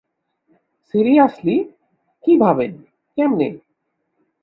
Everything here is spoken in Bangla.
সিরিয়াসলি? কিভাবে? কেমনে?